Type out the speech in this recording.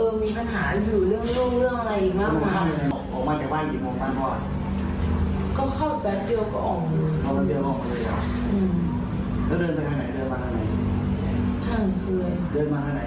มศเตรียมมากเลยหรอ